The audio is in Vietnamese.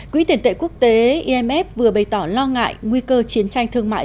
quỹ tiền tệ quốc tế imf vừa bày tỏ lo ngại nguy cơ chiến tranh thương mại